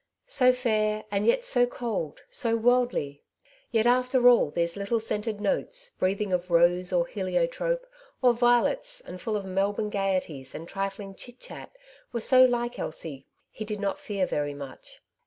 So fair, and yet so cold, so worldly ! Yet, after all, these little scented notes, breathing of rose, or heliotrope, or violets, and full of Melbourne gaities, and trifling chit chat, were so Uke Elsie ; he did not fear very much.